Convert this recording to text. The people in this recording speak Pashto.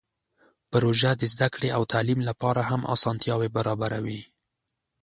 پروژه د زده کړې او تعلیم لپاره هم اسانتیاوې برابروي.